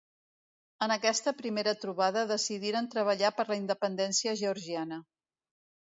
En aquesta primera trobada decidiren treballar per la independència georgiana.